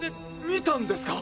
見たんですか！？